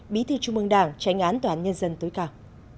bí thư trung mương đảng tránh án toán nhân dân tối cao